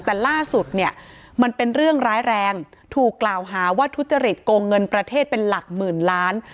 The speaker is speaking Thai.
แต่ล่าสุดเนี่ยมันเป็นเรื่องร้ายแรงถูกกล่าวหาว่าทุจริตโกงเงินประเทศเป็นหลักหมื่นล้าน